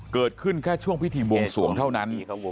เกิดขึ้นแค่ช่วงพิธีบวงสวงเท่านั้น